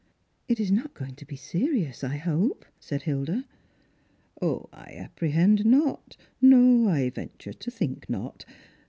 " It is not going to be serious, I hope," said Hilda. " I apprehend not. No ; I venture to think not.